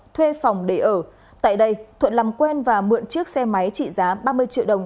thuê phòng để ở tại đây thuận làm quen và mượn chiếc xe máy trị giá ba mươi triệu đồng